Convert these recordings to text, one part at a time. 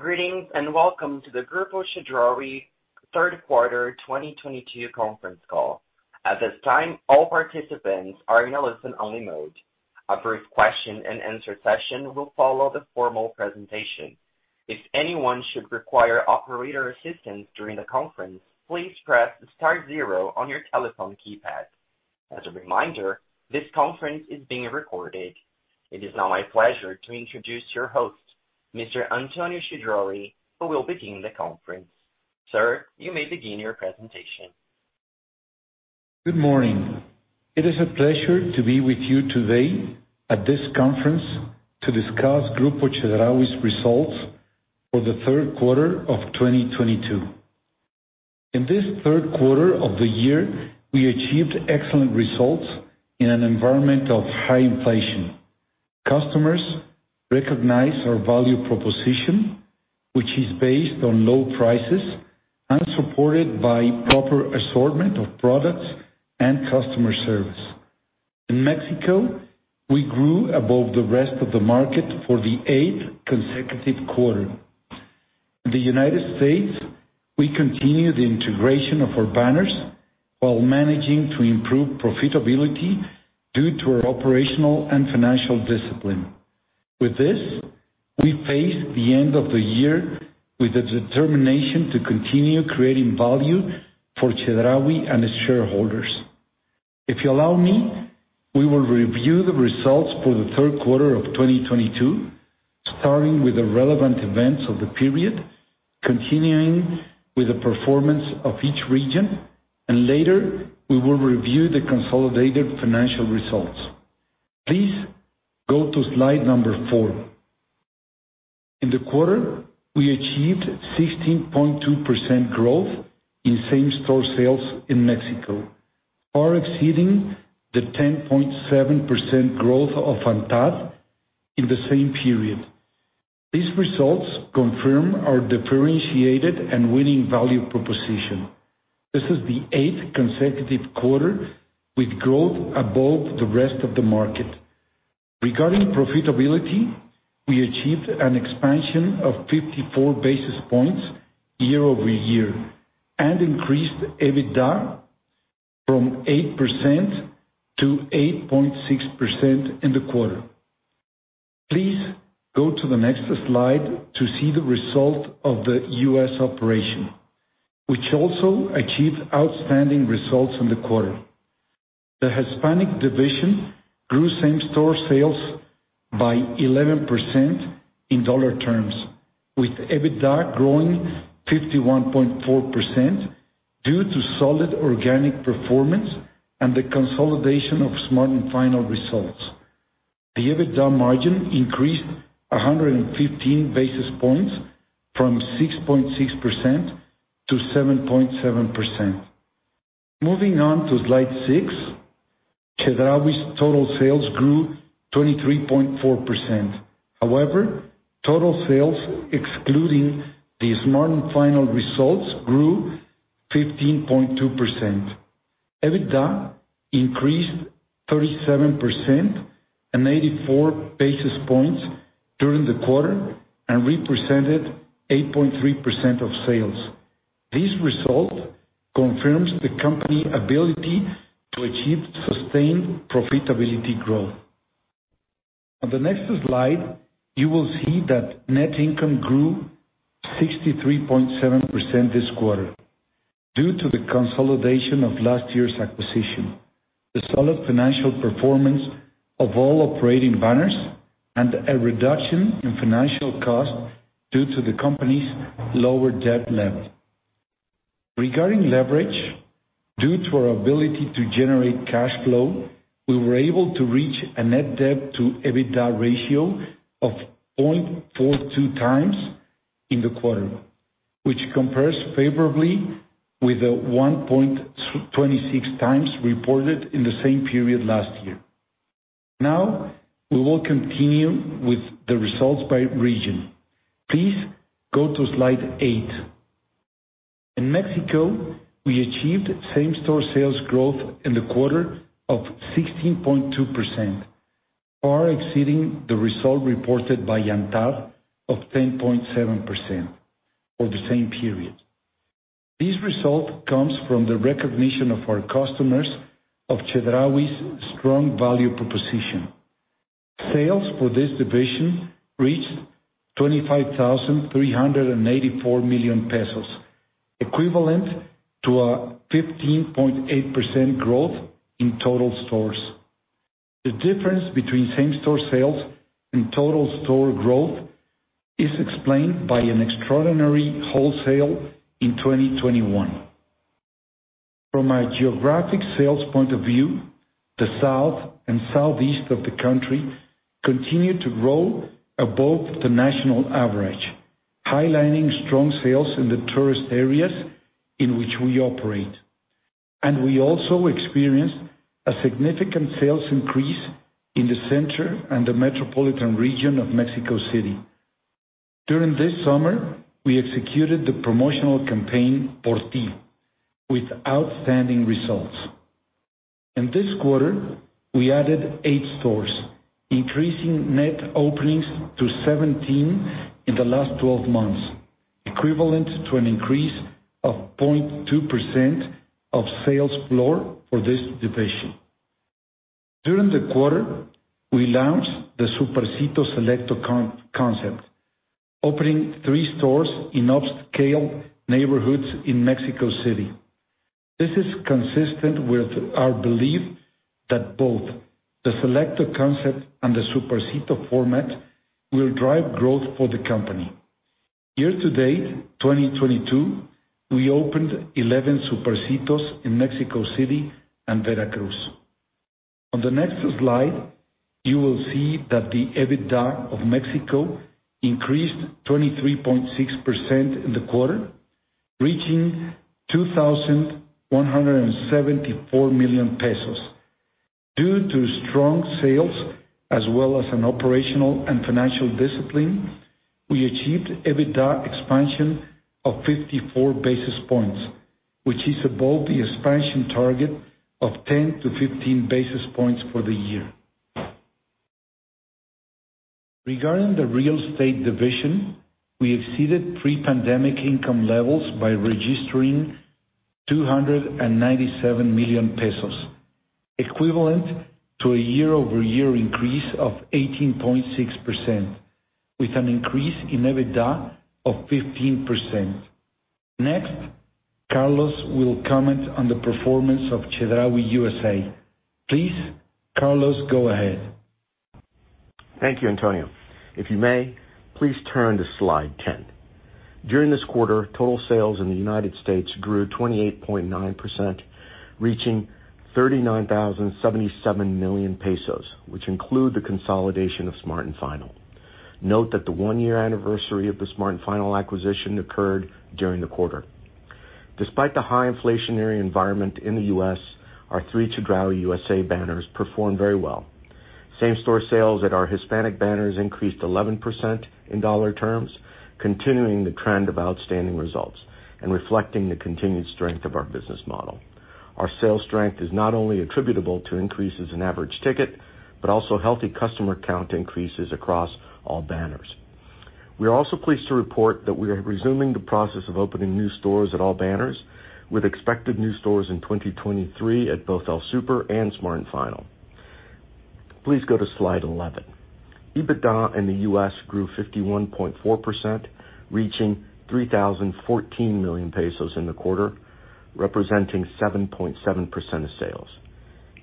Greetings, and welcome to the Grupo Chedraui third quarter 2022 conference call. At this time, all participants are in a listen-only mode. A brief question-and-answer session will follow the formal presentation. If anyone should require operator assistance during the conference, please press star zero on your telephone keypad. As a reminder, this conference is being recorded. It is now my pleasure to introduce your host, Mr. Antonio Chedraui, who will begin the conference. Sir, you may begin your presentation. Good morning. It is a pleasure to be with you today at this conference to discuss Grupo Chedraui's results for the third quarter of 2022. In this third quarter of the year, we achieved excellent results in an environment of high inflation. Customers recognize our value proposition, which is based on low prices and supported by proper assortment of products and customer service. In Mexico, we grew above the rest of the market for the eighth consecutive quarter. In the United States, we continue the integration of our banners while managing to improve profitability due to our operational and financial discipline. With this, we face the end of the year with the determination to continue creating value for Chedraui and its shareholders. If you allow me, we will review the results for the third quarter of 2022, starting with the relevant events of the period, continuing with the performance of each region, and later, we will review the consolidated financial results. Please go to slide four. In the quarter, we achieved 16.2% growth in same-store sales in Mexico, far exceeding the 10.7% growth of ANTAD in the same period. These results confirm our differentiated and winning value proposition. This is the eighth consecutive quarter with growth above the rest of the market. Regarding profitability, we achieved an expansion of 54 basis points year-over-year and increased EBITDA from 8% to 8.6% in the quarter. Please go to the next slide to see the result of the U.S. operation, which also achieved outstanding results in the quarter. The Hispanic division grew same-store sales by 11% in dollar terms, with EBITDA growing 51.4% due to solid organic performance and the consolidation of Smart & Final results. The EBITDA margin increased 115 basis points from 6.6% to 7.7%. Moving on to slide six, Chedraui's total sales grew 23.4%. However, total sales excluding the Smart & Final results grew 15.2%. EBITDA increased 37% and 84 basis points during the quarter and represented 8.3% of sales. This result confirms the company's ability to achieve sustained profitability growth. On the next slide, you will see that net income grew 63.7% this quarter due to the consolidation of last year's acquisition, the solid financial performance of all operating banners, and a reduction in financial costs due to the company's lower debt level. Regarding leverage, due to our ability to generate cash flow, we were able to reach a net debt to EBITDA ratio of 0.42x in the quarter, which compares favorably with the 1.26x reported in the same period last year. Now we will continue with the results by region. Please go to slide eight. In Mexico, we achieved same-store sales growth in the quarter of 16.2%, far exceeding the result reported by ANTAD of 10.7% for the same period. This result comes from the recognition of our customers of Chedraui's strong value proposition. Sales for this division reached 25,384 million pesos, equivalent to a 15.8% growth in total stores. The difference between same-store sales and total store growth is explained by an extraordinary wholesale in 2021. From a geographic sales point of view, the south and southeast of the country continued to grow above the national average, highlighting strong sales in the tourist areas in which we operate. We also experienced a significant sales increase in the center and the metropolitan region of Mexico City. During this summer, we executed the promotional campaign, Por TI, with outstanding results. In this quarter, we added eight stores, increasing net openings to 17 in the last 12 months, equivalent to an increase of 0.2% of sales floor for this division. During the quarter, we launched the Supercito Selecto concept, opening three stores in upscale neighborhoods in Mexico City. This is consistent with our belief that both the Selecto concept and the Supercito format will drive growth for the company. Year to date, 2022, we opened 11 Supercitos in Mexico City and Veracruz. On the next slide, you will see that the EBITDA of Mexico increased 23.6% in the quarter, reaching 2,174 million pesos. Due to strong sales as well as an operational and financial discipline, we achieved EBITDA expansion of 54 basis points, which is above the expansion target of 10-15 basis points for the year. Regarding the real estate division, we exceeded pre-pandemic income levels by registering 297 million pesos, equivalent to a year-over-year increase of 18.6% with an increase in EBITDA of 15%. Next, Carlos will comment on the performance of Chedraui USA. Please, Carlos, go ahead. Thank you, Antonio. If you may, please turn to slide ten. During this quarter, total sales in the United States grew 28.9%, reaching 39,077 million pesos, which include the consolidation of Smart & Final. Note that the one-year anniversary of the Smart & Final acquisition occurred during the quarter. Despite the high inflationary environment in the U.S., our three Chedraui USA banners performed very well. Same-store sales at our Hispanic banners increased 11% in dollar terms, continuing the trend of outstanding results and reflecting the continued strength of our business model. Our sales strength is not only attributable to increases in average ticket, but also healthy customer count increases across all banners. We are also pleased to report that we are resuming the process of opening new stores at all banners with expected new stores in 2023 at both El Super and Smart & Final. Please go to slide 11. EBITDA in the U.S. grew 51.4%, reaching 3,014 million pesos in the quarter, representing 7.7% of sales.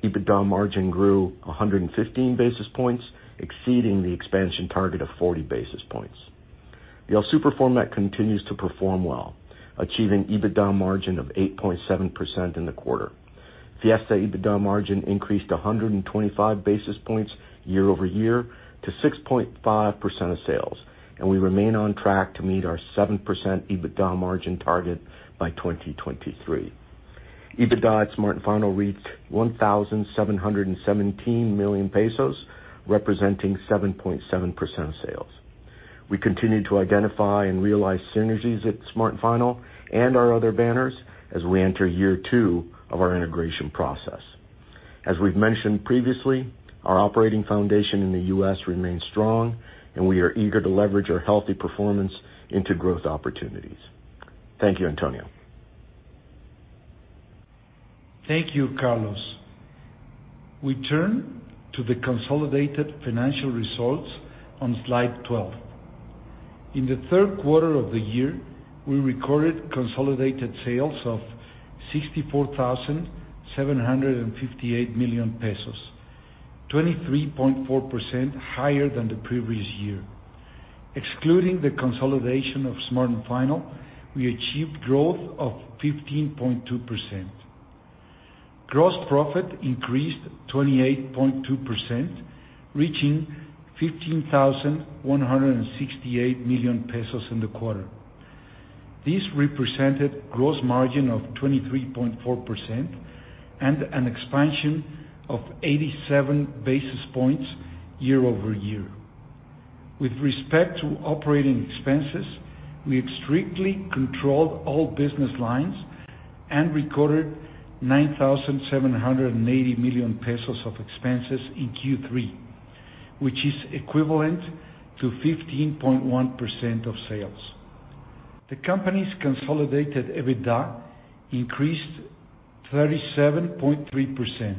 EBITDA margin grew 115 basis points, exceeding the expansion target of 40 basis points. The El Super format continues to perform well, achieving EBITDA margin of 8.7% in the quarter. Fiesta EBITDA margin increased 125 basis points year-over-year to 6.5% of sales, and we remain on track to meet our 7% EBITDA margin target by 2023. EBITDA at Smart & Final reached 1,717 million pesos, representing 7.7% of sales. We continue to identify and realize synergies at Smart & Final and our other banners as we enter year two of our integration process. As we've mentioned previously, our operating foundation in the U.S. remains strong, and we are eager to leverage our healthy performance into growth opportunities. Thank you, Antonio. Thank you, Carlos. We turn to the consolidated financial results on slide 12. In the third quarter of the year, we recorded consolidated sales of 64,758 million pesos, 23.4% higher than the previous year. Excluding the consolidation of Smart & Final, we achieved growth of 15.2%. Gross profit increased 28.2%, reaching 15,168 million pesos in the quarter. This represented gross margin of 23.4% and an expansion of 87 basis points year-over-year. With respect to operating expenses, we strictly controlled all business lines and recorded 9,780 million pesos of expenses in Q3, which is equivalent to 15.1% of sales. The company's consolidated EBITDA increased 37.3%,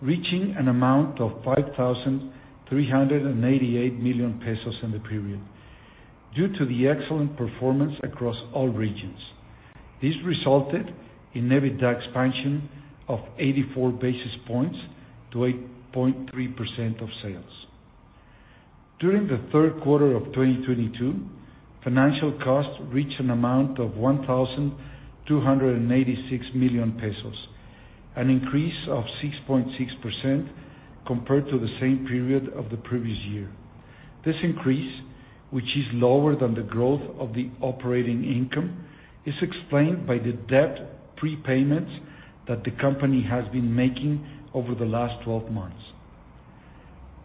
reaching an amount of 5,388 million pesos in the period due to the excellent performance across all regions. This resulted in EBITDA expansion of 84 basis points to 8.3% of sales. During the third quarter of 2022, financial costs reached an amount of 1,286 million pesos, an increase of 6.6% compared to the same period of the previous year. This increase, which is lower than the growth of the operating income, is explained by the debt prepayments that the company has been making over the last 12 months.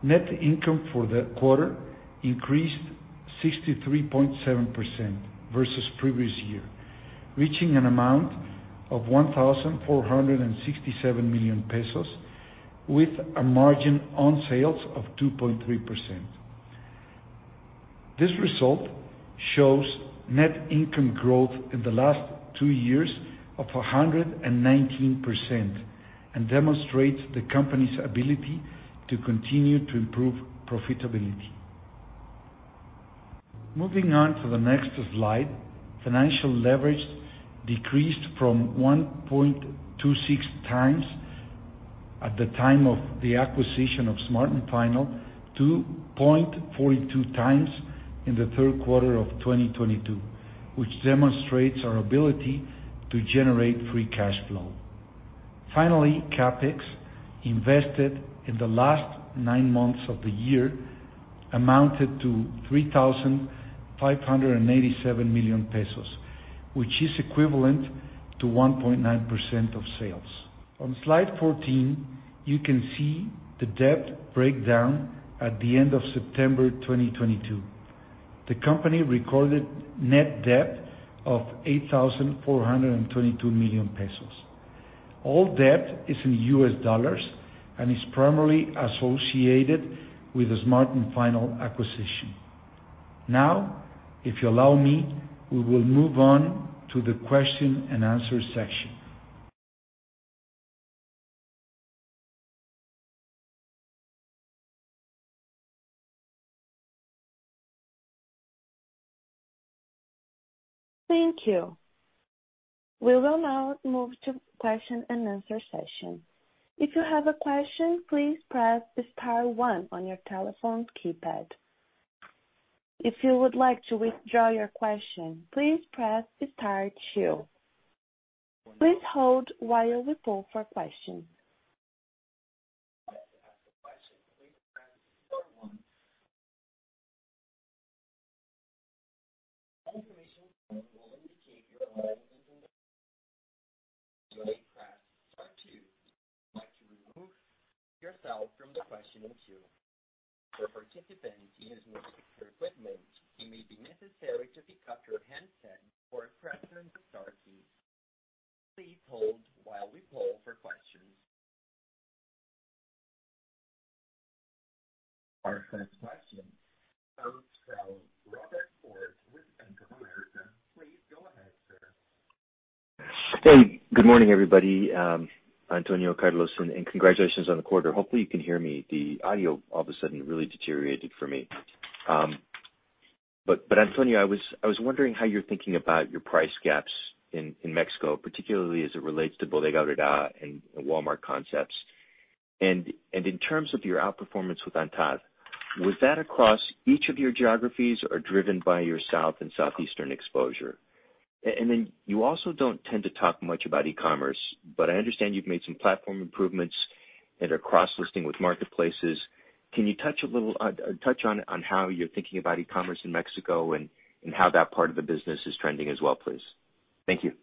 Net income for the quarter increased 63.7% versus previous year, reaching an amount of 1,467 million pesos with a margin on sales of 2.3%. This result shows net income growth in the last two years of 119% and demonstrates the company's ability to continue to improve profitability. Moving on to the next slide, financial leverage decreased from 1.26x at the time of the acquisition of Smart & Final to 0.42x in the third quarter of 2022, which demonstrates our ability to generate free cash flow. Finally, CapEx invested in the last nine months of the year amounted to 3,587 million pesos, which is equivalent to 1.9% of sales. On slide 14, you can see the debt breakdown at the end of September 2022. The company recorded net debt of 8,422 million pesos. All debt is in US dollars and is primarily associated with the Smart & Final acquisition. Now, if you allow me, we will move on to the question-and-answer session. Thank you. We will now move to question-and-answer session. If you have a question, please press star one on your telephone keypad. If you would like to withdraw your question, please press star two. Please hold while we poll for questions. To ask a question, please press star one. An informational tone will indicate your line is in the queue. To press star two, if you'd like to remove yourself from the question queue. If a participant uses multiple equipment, it may be necessary to pick up your handset or press star two. Please hold while we poll for questions. Our first question comes from Robert Ford with Bank of America. Please go ahead, sir. Hey, good morning, everybody, Antonio, Carlos, and congratulations on the quarter. Hopefully, you can hear me. The audio all of a sudden really deteriorated for me. But Antonio, I was wondering how you're thinking about your price gaps in Mexico, particularly as it relates to Bodega Aurrerá and Walmart concepts. In terms of your outperformance with ANTAD, was that across each of your geographies or driven by your South and Southeastern exposure? Then you also don't tend to talk much about e-commerce, but I understand you've made some platform improvements and are cross-listing with marketplaces. Can you touch on how you're thinking about e-commerce in Mexico and how that part of the business is trending as well, please? Thank you.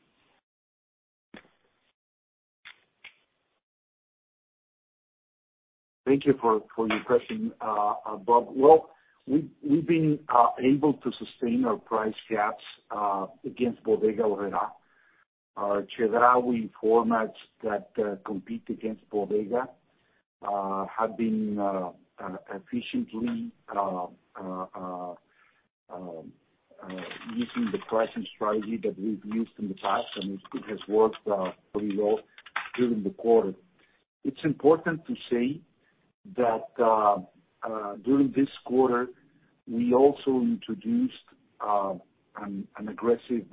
Thank you for your question, Bob. Well, we have been able to sustain our price gaps against Bodega Aurrerá. Our Chedraui formats that compete against Bodega have been efficiently using the pricing strategy that we have used in the past, and it has worked pretty well during the quarter. It is important to say that during this quarter, we also introduced an aggressive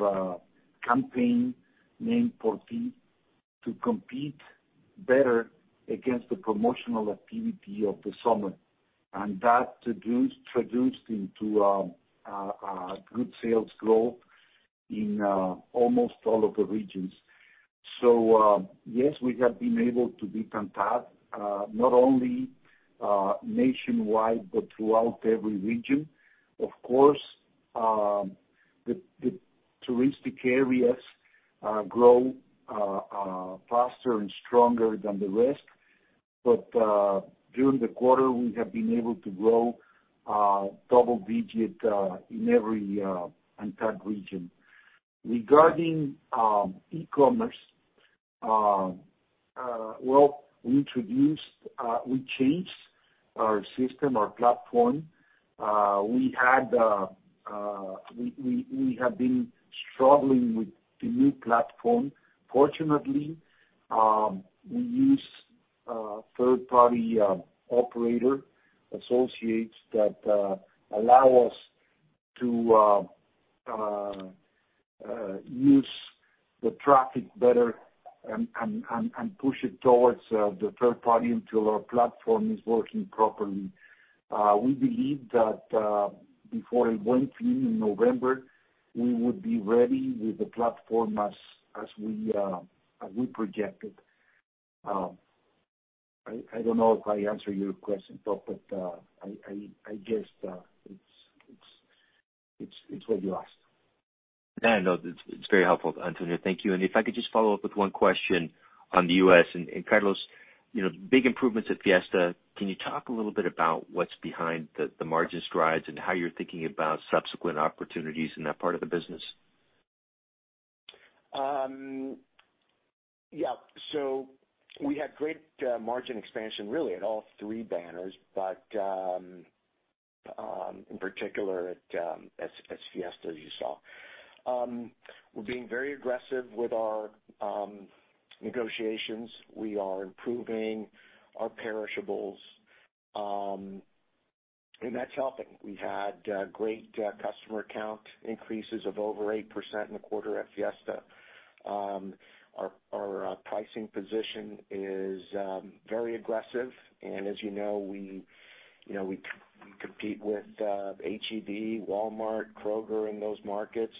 campaign named Por TI to compete better against the promotional activity of the summer. That produced good sales growth in almost all of the regions. Yes, we have been able to beat ANTAD not only nationwide but throughout every region. Of course, the touristic areas grow faster and stronger than the rest. During the quarter, we have been able to grow double-digit in every ANTAD region. Regarding e-commerce, well, we changed our system, our platform. We have been struggling with the new platform. Fortunately, we use a third-party operator associates that allow us to use the traffic better and push it towards the third party until our platform is working properly. We believe that before it went in November, we would be ready with the platform as we projected. I don't know if I answered your question, Bob, but I guess it's what we are. No, no, it's very helpful, Antonio. Thank you. If I could just follow up with one question on the U.S. Carlos, you know, big improvements at Fiesta. Can you talk a little bit about what's behind the margin strides and how you're thinking about subsequent opportunities in that part of the business? Yeah. We had great margin expansion really at all three banners, but in particular at Fiesta, as you saw. We're being very aggressive with our negotiations. We are improving our perishables, and that's helping. We've had great customer count increases of over 8% in the quarter at Fiesta. Our pricing position is very aggressive. As you know, we, you know, we compete with H-E-B, Walmart, Kroger in those markets.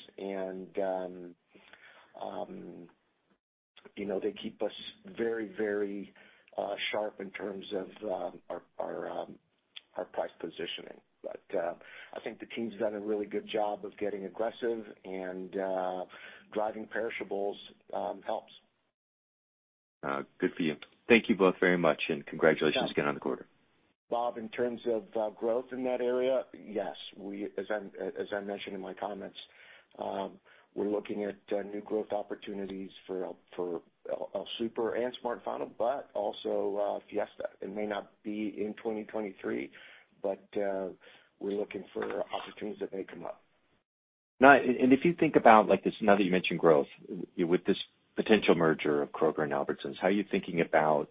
You know, they keep us very sharp in terms of our price positioning. I think the team's done a really good job of getting aggressive and driving perishables helps. Good for you. Thank you both very much, and congratulations again on the quarter. Bob, in terms of growth in that area, yes, as I mentioned in my comments, we're looking at new growth opportunities for El Super and Smart & Final but also Fiesta. It may not be in 2023, but we're looking for opportunities that may come up. Now, and if you think about like this, now that you mentioned growth, with this potential merger of Kroger and Albertsons, how are you thinking about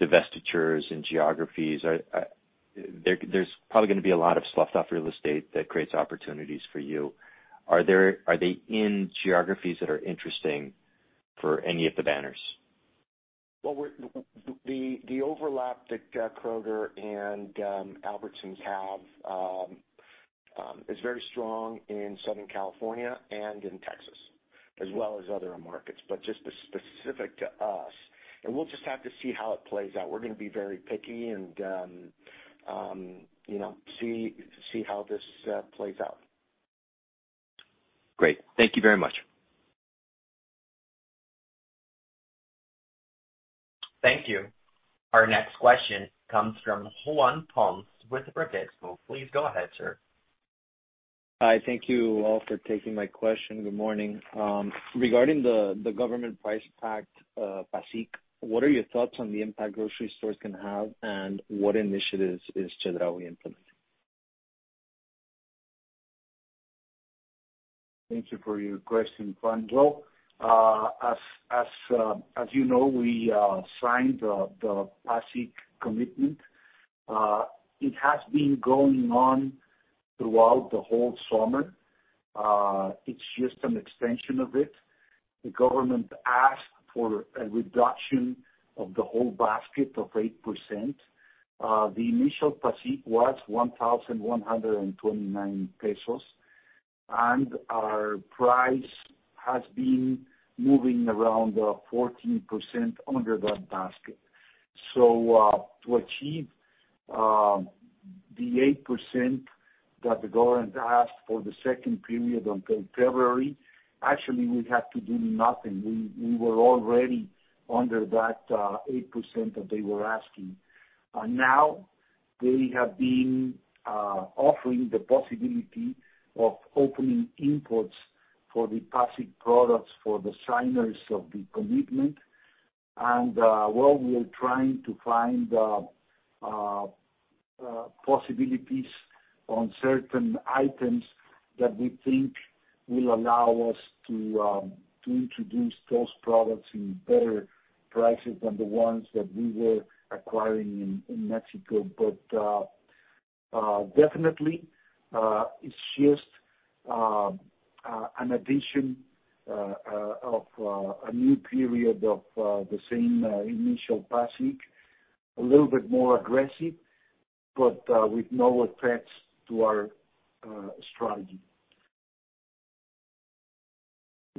divestitures and geographies? There's probably gonna be a lot of sloughed off real estate that creates opportunities for you. Are they in geographies that are interesting for any of the banners? The overlap that Kroger and Albertsons have is very strong in Southern California and in Texas, as well as other markets. Just specific to us, and we'll just have to see how it plays out. We're gonna be very picky and you know see how this plays out. Great. Thank you very much. Thank you. Our next question comes from Juan Pons with Brookings. Please go ahead, sir. Hi, thank you all for taking my question. Good morning. Regarding the government price pact, PACIC, what are your thoughts on the impact grocery stores can have, and what initiatives is Chedraui implementing? Thank you for your question, Juan. Well, as you know, we signed the PACIC commitment. It has been going on throughout the whole summer. It's just an extension of it. The government asked for a reduction of the whole basket of 8%. The initial PACIC was 1,129 pesos, and our price has been moving around 14% under that basket. So, to achieve the 8% that the government asked for the second period until February, actually we have to do nothing. We were already under that 8% that they were asking. Now they have been offering the possibility of opening imports for the PACIC products for the signers of the commitment. Well, we are trying to find possibilities on certain items that we think will allow us to introduce those products in better prices than the ones that we were acquiring in Mexico. Definitely, it's just an addition of a new period of the same initial PACIC, a little bit more aggressive, but with no effects to our strategy.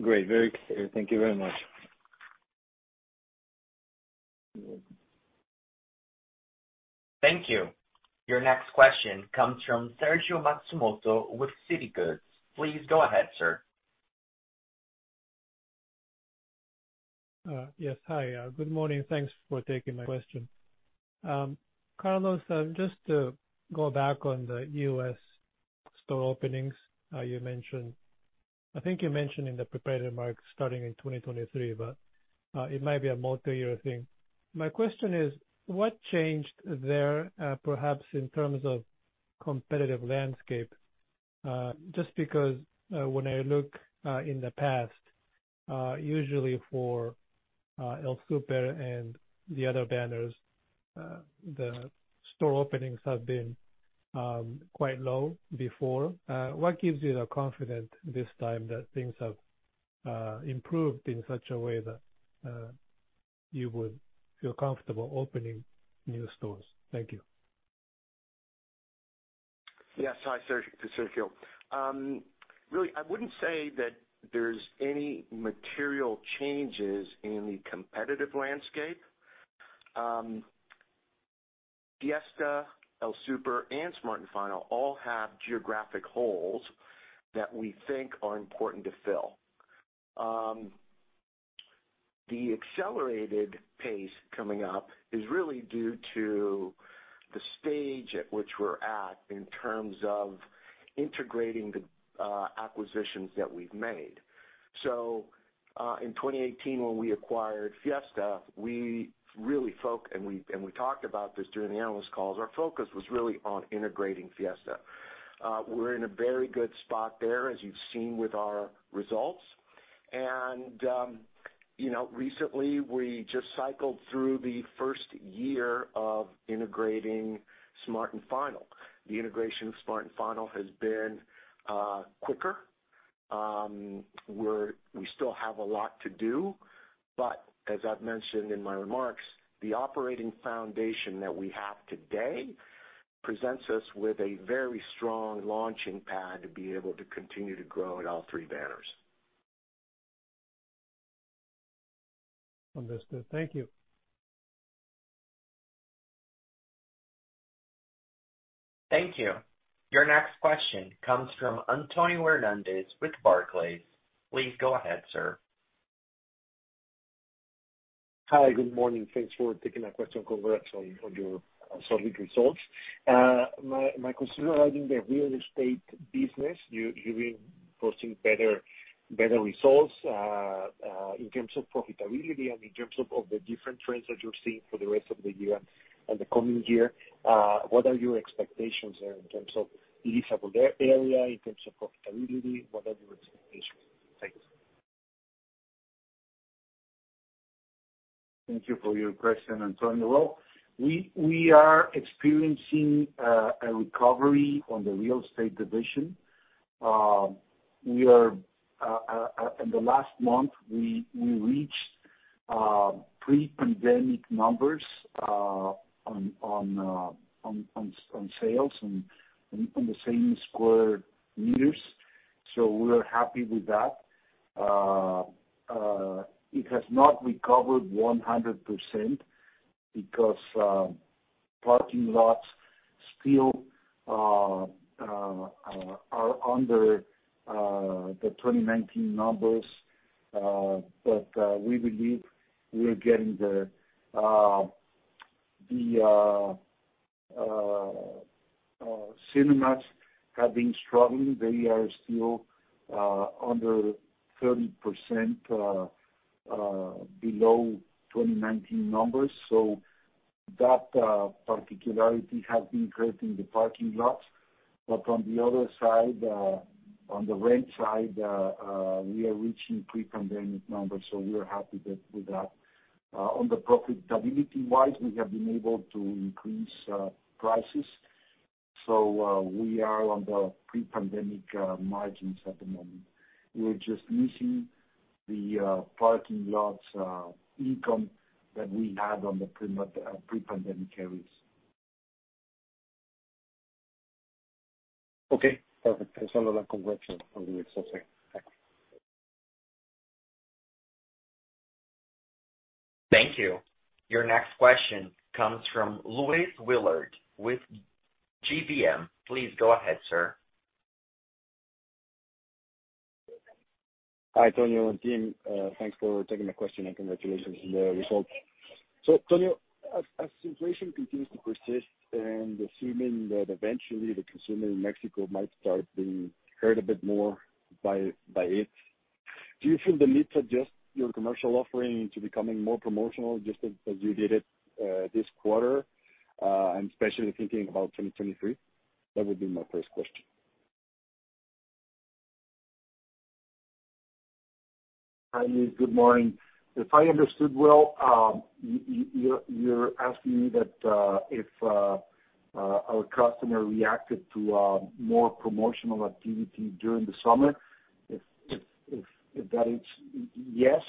Great. Very clear. Thank you very much. You're welcome. Thank you. Your next question comes from Sergio Matsumoto with Citigroup. Please go ahead, sir. Yes. Hi. Good morning. Thanks for taking my question. Carlos, just to go back on the U.S. store openings, you mentioned. I think you mentioned in the prepared remarks starting in 2023, but it might be a multi-year thing. My question is, what changed there, perhaps in terms of competitive landscape? Just because, when I look in the past, usually for El Super and the other banners, the store openings have been quite low before. What gives you the confidence this time that things have improved in such a way that you would feel comfortable opening new stores? Thank you. Yes. Hi, Sergio. Really, I wouldn't say that there's any material changes in the competitive landscape. Fiesta, El Super, and Smart & Final all have geographic holes that we think are important to fill. The accelerated pace coming up is really due to the stage at which we're at in terms of integrating the acquisitions that we've made. In 2018 when we acquired Fiesta, we talked about this during the analyst calls. Our focus was really on integrating Fiesta. We're in a very good spot there, as you've seen with our results. You know, recently we just cycled through the first year of integrating Smart & Final. The integration of Smart & Final has been quicker. We still have a lot to do, but as I've mentioned in my remarks, the operating foundation that we have today presents us with a very strong launching pad to be able to continue to grow in all three banners. Understood. Thank you. Thank you. Your next question comes from Antonio Hernandez with Barclays. Please go ahead, sir. Hi. Good morning. Thanks for taking my question. Congrats on your solid results. My consideration regarding the real estate business, you've been posting better results in terms of profitability and in terms of the different trends that you're seeing for the rest of the year and the coming year. What are your expectations there in terms of leaseable area, in terms of profitability? What are your expectations? Thanks. Thank you for your question, Antonio. We are experiencing a recovery on the real estate division. We are in the last month, we reached pre-pandemic numbers on sales and on the same square meters. We're happy with that. It has not recovered 100% because parking lots still are under the 2019 numbers. We believe we are getting there. The cinemas have been struggling. They are still under 30% below 2019 numbers. That particularity has been creating the parking lots. On the other side, on the rent side, we are reaching pre-pandemic numbers, so we are happy with that. On the profitability-wise, we have been able to increase prices. We are on the pre-pandemic margins at the moment. We're just missing the parking lots income that we had on the pre-pandemic era. Okay, perfect. Thank you. Your next question comes from Luis Willard with GBM. Please go ahead, sir. Hi, Tonio and team. Thanks for taking my question, and congratulations on the results. Tonio, as inflation continues to persist and assuming that eventually the consumer in Mexico might start being hurt a bit more by it, do you feel the need to adjust your commercial offering into becoming more promotional just as you did it this quarter, and especially thinking about 2023? That would be my first question. Hi, Luis. Good morning. If I understood well, you're asking me that if our customer reacted to more promotional activity during the summer. If that is, yes,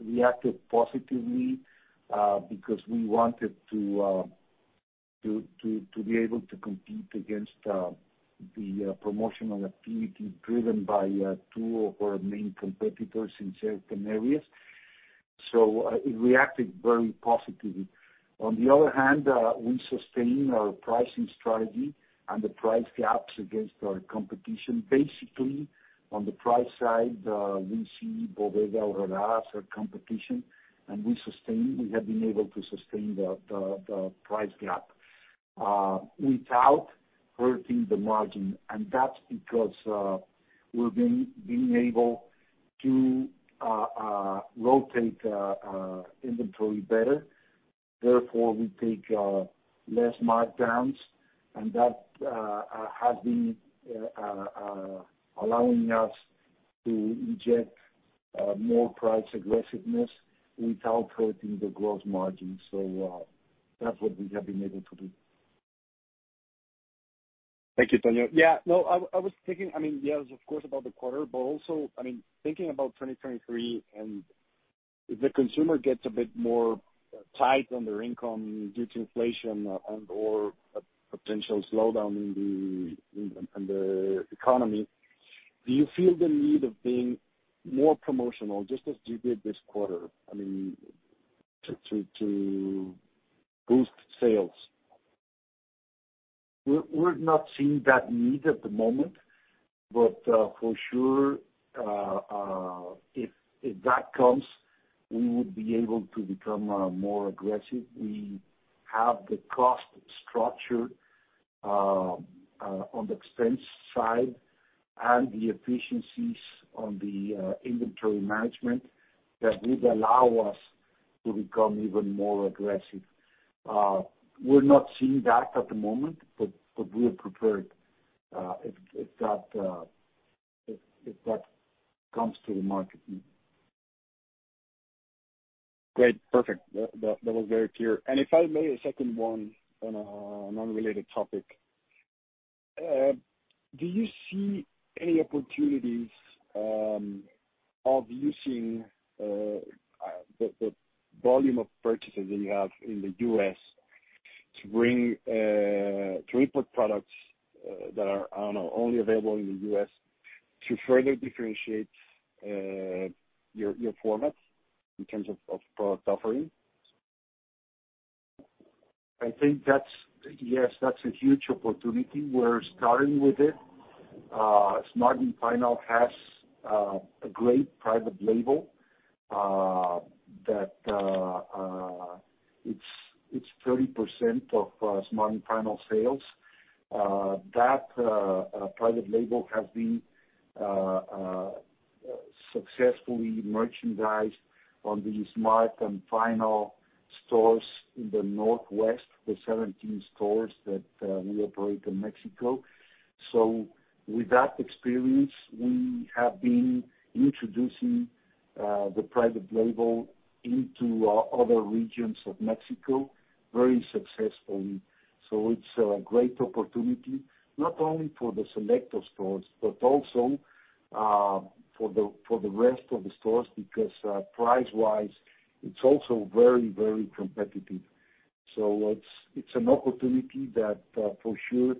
reacted positively, because we wanted to be able to compete against the promotional activity driven by two of our main competitors in certain areas. It reacted very positively. On the other hand, we sustain our pricing strategy and the price gaps against our competition. Basically, on the price side, we see Bodega Aurrerá as our competition, and we have been able to sustain the price gap without hurting the margin. That's because we've been able to rotate inventory better. Therefore, we take less markdowns, and that has been allowing us to inject more price aggressiveness without hurting the gross margin. That's what we have been able to do. Thank you, Tonio. Yeah, no, I was thinking, I mean, yes, of course, about the quarter, but also, I mean, thinking about 2023 and if the consumer gets a bit more tight on their income due to inflation and/or a potential slowdown in the economy. Do you feel the need of being more promotional, just as you did this quarter, I mean, to boost sales? We're not seeing that need at the moment, but for sure, if that comes, we would be able to become more aggressive. We have the cost structure on the expense side and the efficiencies on the inventory management that would allow us to become even more aggressive. We're not seeing that at the moment, but we are prepared if that comes to the market. Great. Perfect. That was very clear. If I may, a second one on an unrelated topic. Do you see any opportunities of using the volume of purchases that you have in the U.S. to bring to import products that are, I don't know, only available in the U.S. To further differentiate your formats in terms of product offerings? I think that's a huge opportunity. We're starting with it. Smart & Final has a great private label that it's 30% of Smart & Final sales. That private label has been successfully merchandised on the Smart & Final stores in the Northwest, the 17 stores that we operate in Mexico. With that experience, we have been introducing the private label into other regions of Mexico very successfully. It's a great opportunity not only for the Selecto stores, but also for the rest of the stores, because price-wise, it's also very, very competitive. It's an opportunity that for sure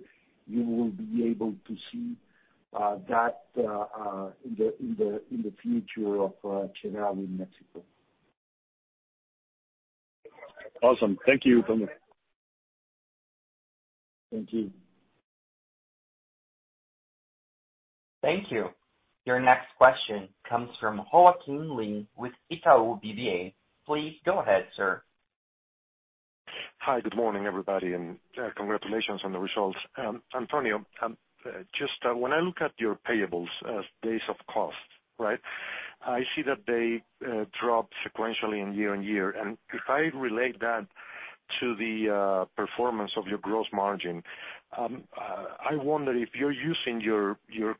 you will be able to see that in the future of Chedraui in Mexico. Awesome. Thank you, Antonio. Thank you. Thank you. Your next question comes from Joaquin Ley with Itaú BBA. Please go ahead, sir. Hi. Good morning, everybody, and congratulations on the results. Antonio, just when I look at your payables as days of cost, right? I see that they drop sequentially in year and year. If I relate that to the performance of your gross margin, I wonder if you're using your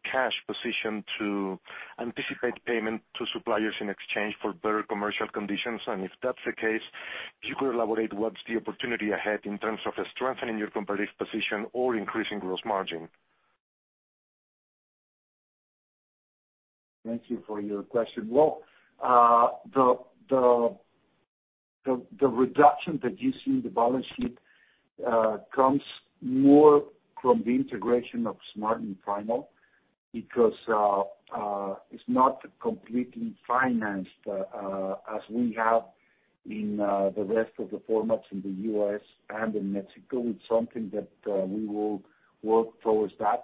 cash position to anticipate payment to suppliers in exchange for better commercial conditions. If that's the case, if you could elaborate what's the opportunity ahead in terms of strengthening your competitive position or increasing gross margin? Thank you for your question. Well, the reduction that you see in the balance sheet comes more from the integration of Smart & Final because it's not completely financed as we have in the rest of the formats in the U.S. and in Mexico. It's something that we will work towards that.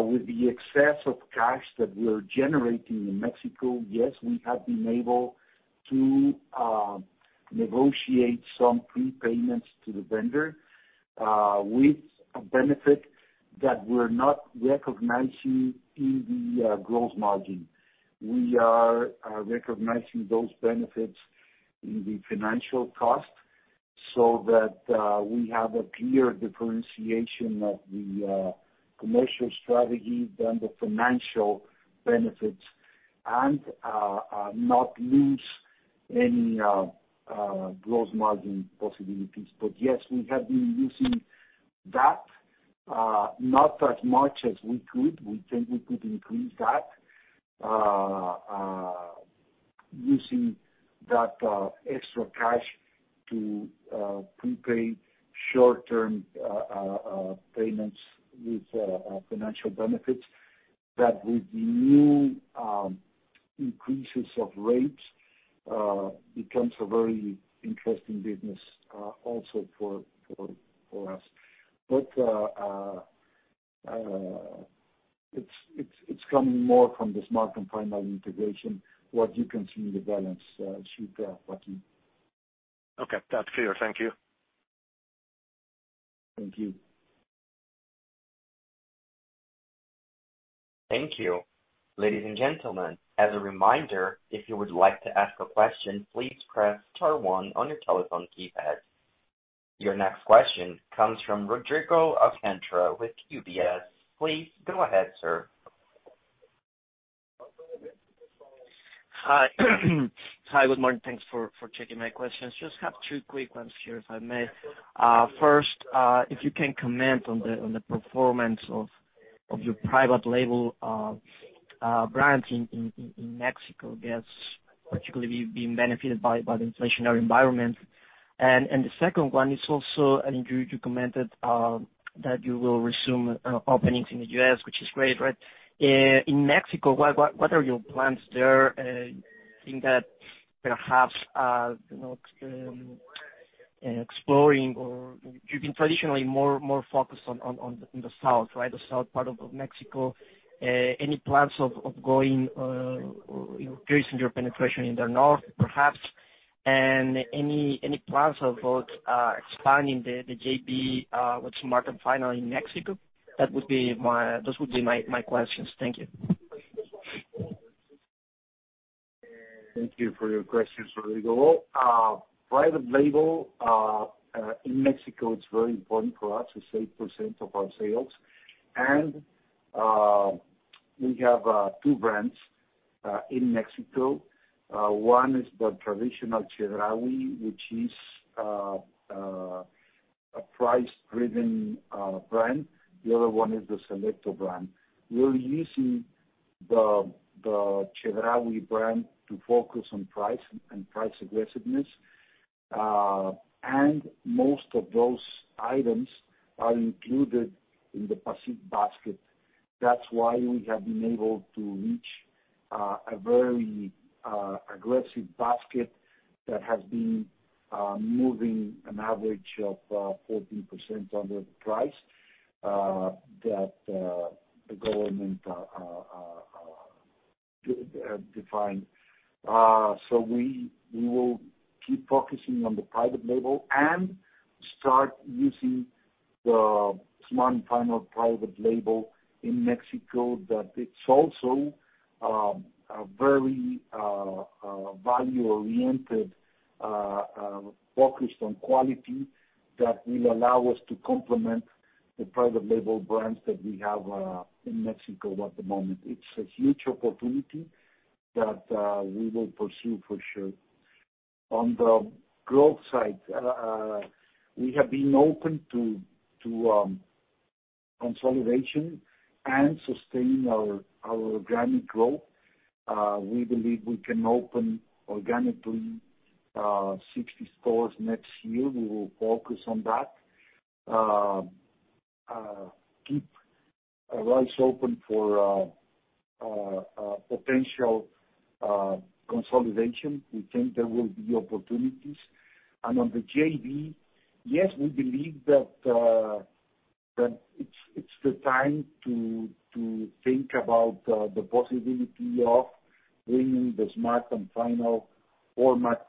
With the excess of cash that we are generating in Mexico, yes, we have been able to negotiate some prepayments to the vendor with a benefit that we're not recognizing in the gross margin. We are recognizing those benefits in the financial cost so that we have a clear differentiation of the commercial strategy than the financial benefits and not lose any gross margin possibilities. Yes, we have been using that, not as much as we could. We think we could increase that, using that extra cash to prepay short-term payments with financial benefits that with new increases of rates becomes a very interesting business, also for us. It's coming more from the Smart & Final integration, what you can see in the balance sheet, Joaquin. Okay. That's clear. Thank you. Thank you. Thank you. Ladies and gentlemen, as a reminder, if you would like to ask a question, please press star one on your telephone keypad. Your next question comes from Rodrigo Alcantara with UBS. Please go ahead, sir. Hi. Hi. Good morning. Thanks for taking my questions. Just have two quick ones here, if I may. First, if you can comment on the performance of your private label brands in Mexico. I guess. Particularly being benefited by the inflationary environment. The second one is also and you commented that you will resume openings in the U.S. which is great, right? In Mexico, what are your plans there? In that perhaps you know exploring or you've been traditionally more focused on the south, right? The south part of Mexico. Any plans of going increasing your penetration in the north perhaps? Any plans about expanding the JV with Smart & Final in Mexico? Those would be my questions. Thank you. Thank you for your questions, Rodrigo. Private label in Mexico, it's very important for us. It's 8% of our sales. We have two brands in Mexico. One is the traditional Chedraui, which is a price-driven brand. The other one is the Selecto brand. We're using the Chedraui brand to focus on price and price aggressiveness. Most of those items are included in the PACIC basket. That's why we have been able to reach a very aggressive basket that has been moving an average of 14% under the price that the government defined. We will keep focusing on the private label and start using the Smart & Final private label in Mexico, that it's also a very value-oriented focused on quality that will allow us to complement the private label brands that we have in Mexico at the moment. It's a huge opportunity that we will pursue for sure. On the growth side, we have been open to consolidation and sustain our organic growth. We believe we can open organically 60 stores next year. We will focus on that. Keep our eyes open for a potential consolidation. We think there will be opportunities. On the JV, yes, we believe that it's the time to think about the possibility of bringing the Smart & Final format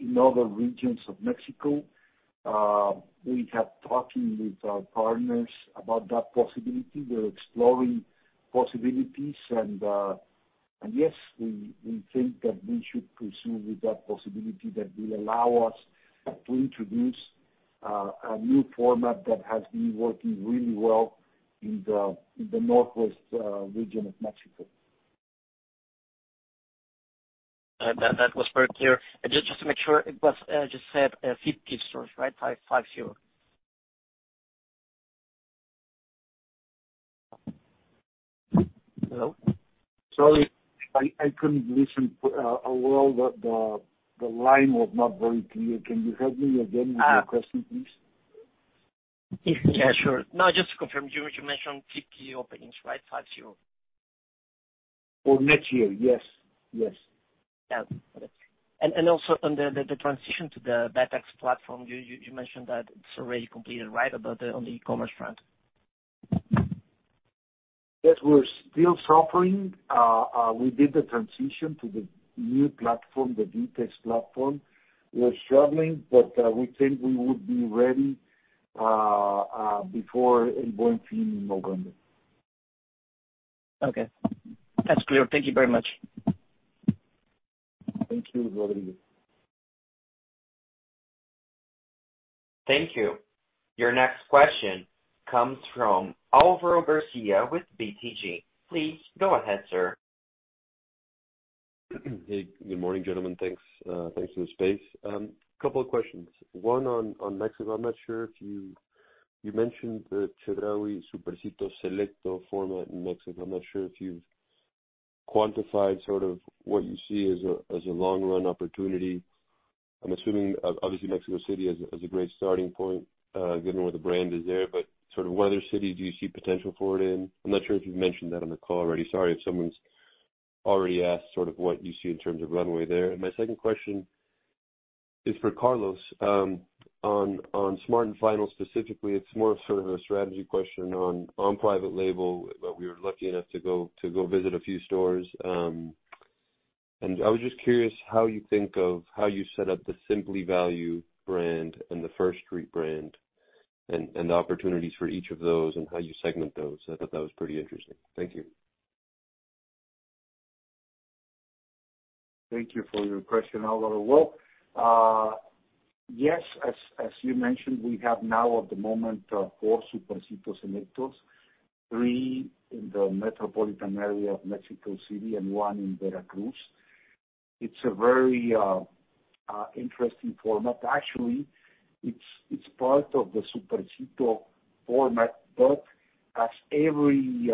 in other regions of Mexico. We have been talking with our partners about that possibility. We're exploring possibilities and yes, we think that we should pursue with that possibility that will allow us to introduce a new format that has been working really well in the northwest region of Mexico. That was very clear. Just to make sure it was just said 50 stores, right? 50. Sorry, I couldn't listen, well. The line was not very clear. Can you help me again with your question, please? Yeah, sure. No, just to confirm, you mentioned 50 openings, right? 50. For next year. Yes. Yes. Yeah. Got it. Also on the transition to the VTEX platform, you mention that it's already completed, right? On the e-commerce front. Yes, we're still suffering. We did the transition to the new platform, the VTEX platform. We are struggling, but we think we will be ready before El Buen Fin in November. Okay. That's clear. Thank you very much. Thank you, Rodrigo. Thank you. Your next question comes from Alvaro Garcia with BTG. Please go ahead, sir. Hey, good morning, gentlemen. Thanks. Thanks for the space. Couple of questions. One on Mexico. I'm not sure if you mentioned the Chedraui Supercito Selecto format in Mexico. I'm not sure if you've quantified what you see as a long-run opportunity. I'm assuming obviously Mexico City is a great starting point, given where the brand is there, but what other city do you see potential for it in? I'm not sure if you've mentioned that on the call already. Sorry if someone's already asked what you see in terms of runway there. My second question is for Carlos. On Smart & Final specifically, it's more of a strategy question on private label, but we were lucky enough to go visit a few stores. I was just curious how you think of how you set up the Simply Value brand and the First Street brand and the opportunities for each of those and how you segment those. I thought that was pretty interesting. Thank you. Thank you for your question, Álvaro. Well, yes, as you mentioned, we have now at the moment four Supercitos Selectos, three in the metropolitan area of Mexico City and one in Veracruz. It's a very interesting format. Actually, it's part of the Supercito format, but as every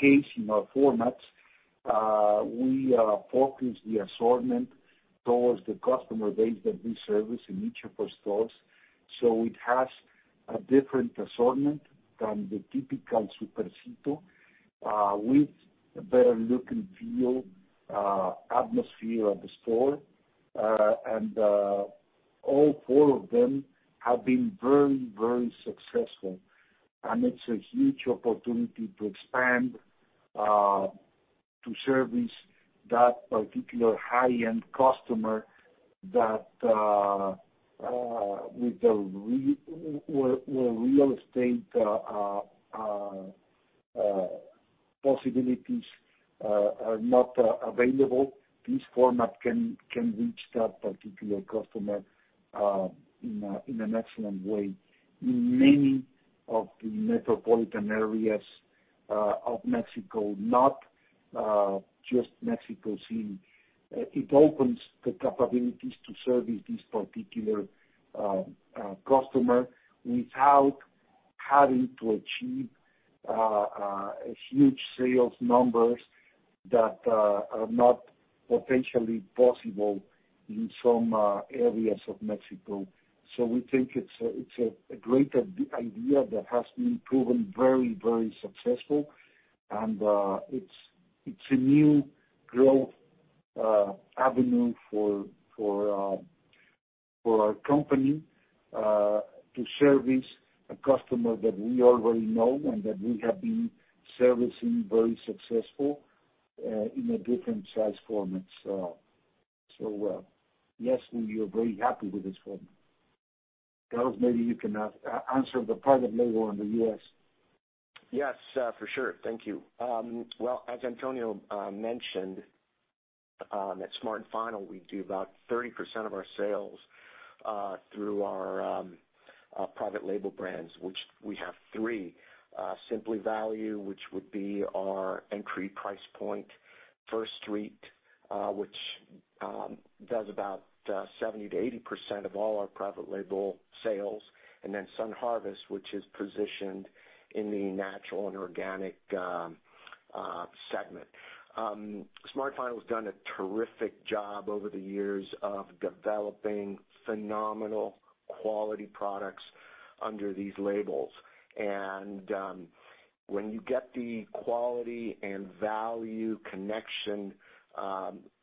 case in our formats, we focus the assortment towards the customer base that we service in each of our stores. It has a different assortment than the typical Supercito, with a better look and feel, atmosphere of the store. All four of them have been very successful, and it's a huge opportunity to expand to service that particular high-end customer that with the where real estate possibilities are not available. This format can reach that particular customer in an excellent way. In many of the metropolitan areas of Mexico, not just Mexico City. It opens the capabilities to service this particular customer without having to achieve a huge sales numbers that are not potentially possible in some areas of Mexico. We think it's a great idea that has been proven very successful. It's a new growth avenue for our company to service a customer that we already know and that we have been servicing very successfully in a different size format. Yes, we are very happy with this format. Carlos, maybe you can answer the private label in the U.S. Yes, for sure. Thank you. Well, as Antonio Chedraui mentioned, at Smart & Final, we do about 30% of our sales through our private label brands, which we have three. Simply Value, which would be our entry price point. First Street, which does about 70%-80% of all our private label sales. Then Sun Harvest, which is positioned in the natural and organic segment. Smart & Final's done a terrific job over the years of developing phenomenal quality products under these labels. When you get the quality and value connection,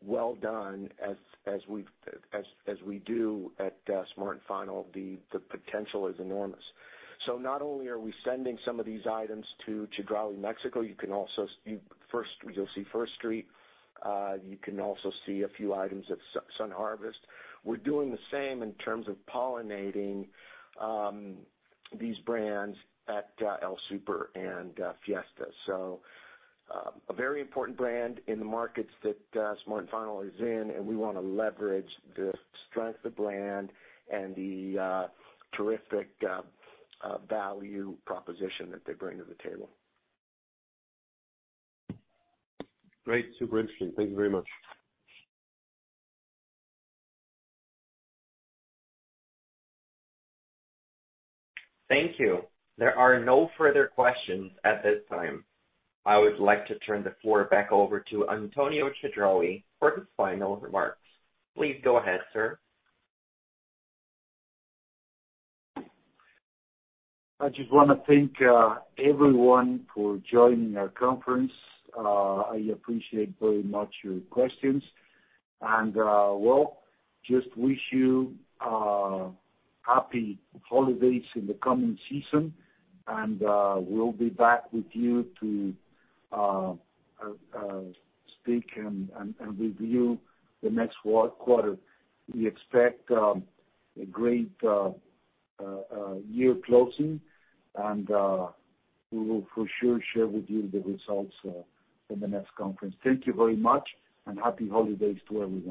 well done as we do at Smart & Final, the potential is enormous. Not only are we sending some of these items to Chedraui Mexico, you can also. First, you'll see First Street. You can also see a few items of Sun Harvest. We're doing the same in terms of pollinating these brands at El Super and Fiesta. A very important brand in the markets that Smart & Final is in, and we wanna leverage the strength of brand and the terrific value proposition that they bring to the table. Great. Super interesting. Thank you very much. Thank you. There are no further questions at this time. I would like to turn the floor back over to Antonio Chedraui for his final remarks. Please go ahead, sir. I just wanna thank everyone for joining our conference. I appreciate very much your questions. Just wish you happy holidays in the coming season, and we'll be back with you to speak and review the next quarter. We expect a great year closing, and we will for sure share with you the results in the next conference. Thank you very much and happy holidays to everyone.